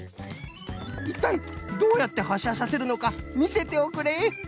いったいどうやってはっしゃさせるのかみせておくれ！